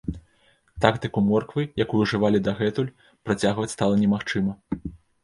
Тактыку морквы, якую ўжывалі дагэтуль, працягваць стала немагчыма.